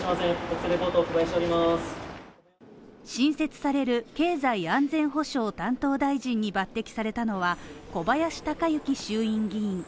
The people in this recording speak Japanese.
新設される経済安全保障担当大臣に抜擢されたのは、小林鷹之衆院議員。